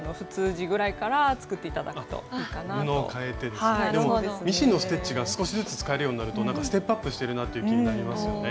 でもミシンのステッチが少しずつ使えるようになるとステップアップしてるなって気になりますよね。